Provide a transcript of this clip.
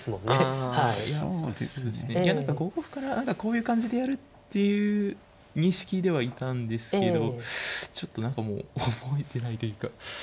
あそうですねいや何か５五歩から何かこういう感じでやるっていう認識ではいたんですけどちょっと何かもう覚えてないというか。